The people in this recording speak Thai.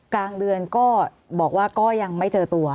กลางเดือนก็บอกว่าก็ยังไม่เจอตัว